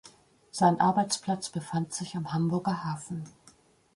Sein Arbeitsplatz befand sich am Hamburger Hafen.